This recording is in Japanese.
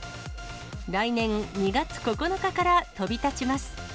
来年２月９日から飛び立ちます。